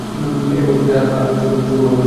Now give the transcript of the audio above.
এ মর্মে আরো বহু হাদীস রয়েছে।